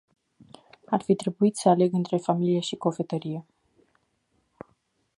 Ar fi trebuit să aleg între familie și cofetărie.